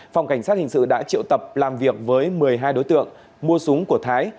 phòng cảnh sát hình sự đã triệu tập làm việc với một mươi hai đối tượng mua súng của thái